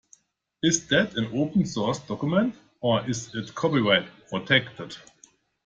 Is that an open source document, or is it copyright-protected?